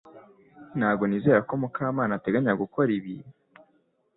Ntabwo nizera ko Mukamana ateganya gukora ibi